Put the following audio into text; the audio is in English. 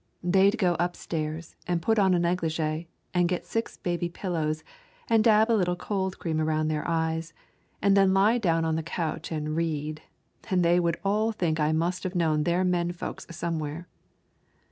They'd go up stairs and put on a negligee and get six baby pillows and dab a little cold cream around their eyes and then lie down on the couch and read, and they would all think I must have known their men folks somewhere.